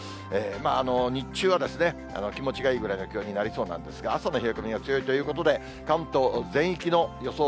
日中は気持ちがいいぐらいの気温になりそうなんですが、朝の冷え込みは強いということで、関東全域の予想